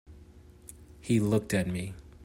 He looked at me.